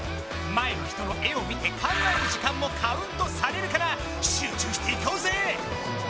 前の人の絵を見て考える時間もカウントされるからしゅうちゅうしていこうぜ！